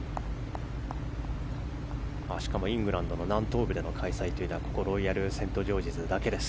しかも、イングランドの南東部の開催はここ、ロイヤルセントジョージズだけです。